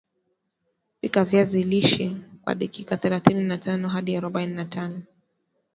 pika viazi lishe kwa dakika thelathini na tano hadi arobaini na tano